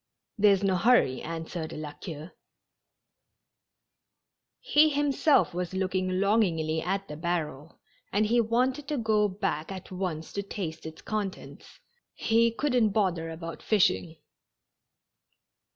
There's no hurry," answered La Queue. He himself was looking longingly at the barrel, and he wanted to go back at once to taste its contents ; he couldn't bother about fishing.